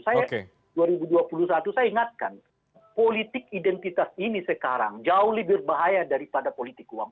saya ingatkan politik identitas ini sekarang jauh lebih berbahaya daripada politik uang